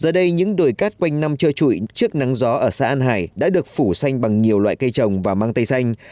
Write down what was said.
giờ đây những đồi cát quanh năm chơ chuỗi trước nắng gió ở xã an hải đã được phủ xanh bằng nhiều loại cây trồng và măng tây xanh